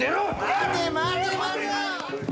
待て待て待て！